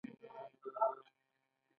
ونې څنګه وده کوي؟